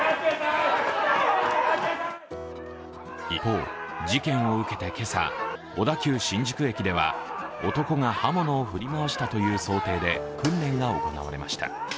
一方、事件を受けて今朝、小田急新宿駅では男が刃物を振り回したという想定で訓練が行われました。